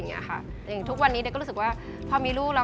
อย่างทุกวันนี้เด็กก็รู้สึกว่าพอมีลูกแล้ว